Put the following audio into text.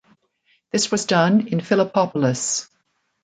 This was done in Philippopolis.